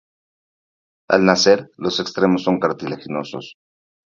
Al nacer los extremos son cartilaginosos.